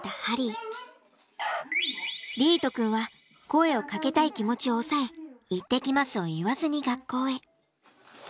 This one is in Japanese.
莉絃くんは声をかけたい気持ちを抑え行ってきますを言わずに学校へ。